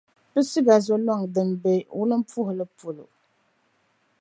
Pisiga zo’ lɔŋ din be wulimpuhili polo.